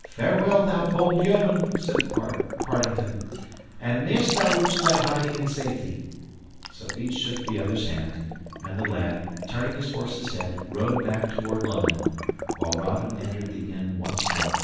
"Farewell, thou bold yeoman," said young Partington, "and mayst thou reach thy hiding in safety." So each shook the other's hand, and the lad, turning his horse's head, rode back toward London, while Robin entered the inn once more.